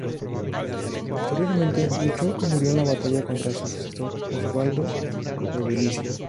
Posteriormente luchó y murió en la batalla contra su sucesor, Oswaldo de Bernicia.